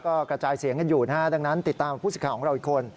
ก็กระจายเสียงกันอยู่นะฮะดังนั้นติดตามผู้สิทธิ์ของเราอีกคน